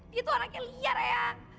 dia adalah anak kaya liar eyang